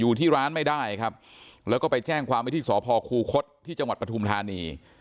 อยู่ที่ร้านไม่ได้ครับแล้วก็ไปแจ้งความไว้ที่สพคูคศที่จังหวัดปฐุมธานี